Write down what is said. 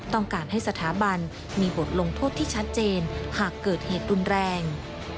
ต้องการให้สถาบันมีบทลงโทษที่ชัดเจนหากเกิดเหตุรุนแรง